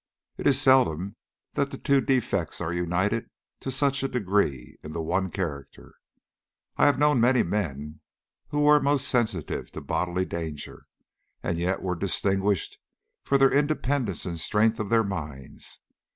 It is seldom that the two defects are united to such a degree in the one character. I have known many men who were most sensitive to bodily danger, and yet were distinguished for the independence and strength of their minds.